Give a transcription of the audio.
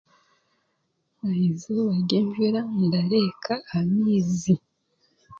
Ah'eizooba ryenjuura ndareka amaizi.